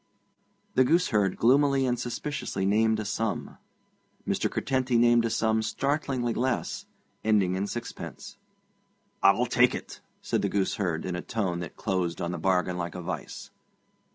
The gooseherd gloomily and suspiciously named a sum. Mr. Curtenty named a sum startlingly less, ending in sixpence. 'I'll tak' it,' said the gooseherd, in a tone that closed on the bargain like a vice.